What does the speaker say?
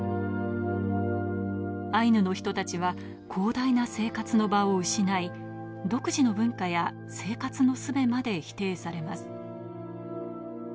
アイヌの人たちは広大な生活の場を失い、独自の文化や生活の術まで否定されます。